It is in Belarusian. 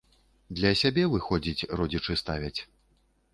Для сябе, выходзіць, родзічы ставяць.